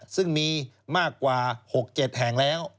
ซึ่งมีมากกว่า๖๗แห่งแล้ว